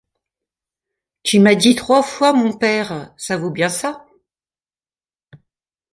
Tu m’as dit trois fois « mon père », ça vaut bien ça.